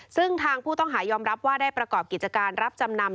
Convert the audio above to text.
ซึ่งทางผู้ต้องหายอมรับว่าได้ประกอบกิจการรับจำนำ